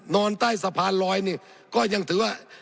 นอนใต้สะพานลอยนี่ก็ยังถือว่า